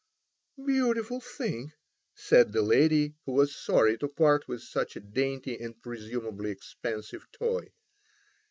"Beautiful thing!" said the lady, who was sorry to part with such a dainty and presumably expensive toy.